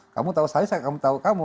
kamu tahu saya saya kamu tahu kamu